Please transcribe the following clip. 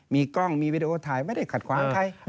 มีกล้องมีวิดีโอถ่ายไม่ได้ขัดขวางใคร